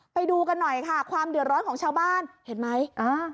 ไปดูกันหน่อยค่ะความเดือดร้อนของชาวบ้านเห็นไหมอ่า